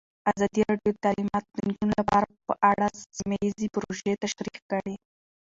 ازادي راډیو د تعلیمات د نجونو لپاره په اړه سیمه ییزې پروژې تشریح کړې.